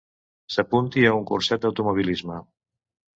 S'apunti a un curset d'automobilisme.